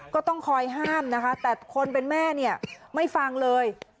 ก็ต้องคอยห้ามนะคะแต่คนเป็นแม่เนี่ยไม่ฟังเลย